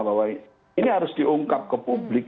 bahwa ini harus diungkap ke publik